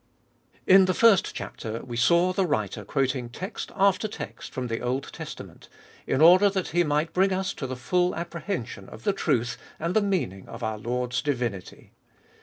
IN the first chapter we saw the writer quoting text after text from the Old Testament, in order that he might bring us to the full apprehension of the truth and the meaning of our Lord's divinity.